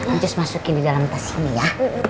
perancis masukin di dalam tas ini ya